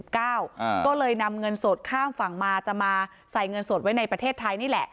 ก็เลยนำเงินสดข้ามฝั่งมาจะมาใส่เงินสดไว้ในประเทศไทยนี่แหละ